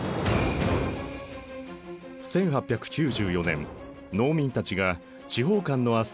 １８９４年農民たちが地方官の圧政に対して蜂起。